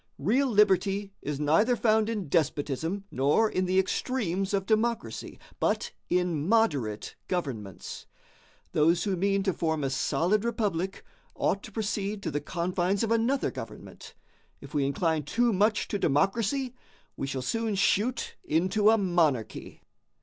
Real liberty is neither found in despotism nor in the extremes of democracy, but in moderate governments. Those who mean to form a solid republic ought to proceed to the confines of another government. If we incline too much to democracy, we shall soon shoot into a monarchy."